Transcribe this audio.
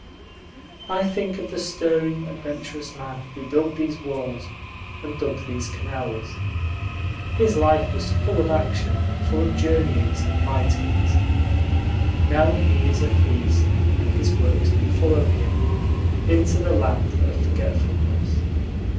I think of the stirring, adventurous man who built these walls and dug these canals. His life was full of action, full of journeyings and fightings. Now he is at peace, and his works do follow him into the land of forgetfulness.